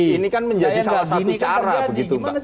ini kan menjadi salah satu cara